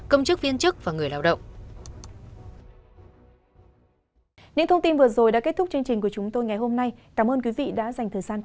công chức viên chức và người lao động